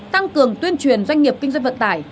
tăng cường tuyên truyền doanh nghiệp kinh doanh vận tải